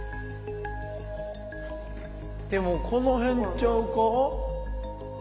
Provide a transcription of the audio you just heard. でもこの辺ちゃうか？